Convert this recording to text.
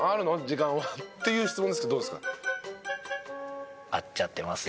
時間は」っていう質問ですけどどうですか？